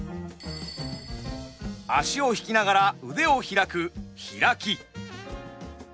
足を引きながら腕を開くヒラキ。